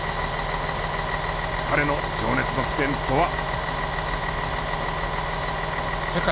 彼の情熱の起点とは。